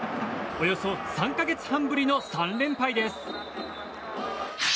およそ３か月半ぶりの３連敗です。